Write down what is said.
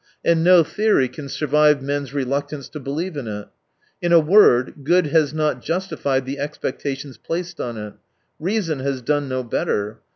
And no theory can survive men's reluctance to believe in it. In a word, good has not justified the expectations placed on it. Reason has done no better.